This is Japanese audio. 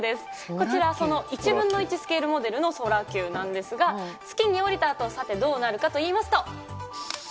こちら、その１分の１スケールモデルのソラキューなんですが、月に降りたあと、さて、どうなるかといいますと。